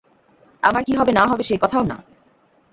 আমার কী হবে না হবে সেকথাও না।